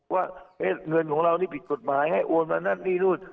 ว่าเงินของเรานี่ผิดกฎหมายให้โอนมานั่นนี่นู่น